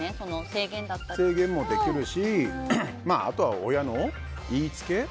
制限もできるしあとは親の言いつけ。